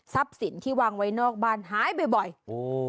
ทรัพย์สินที่วางไว้นอกบ้านหายบ่อยบ่อยฮู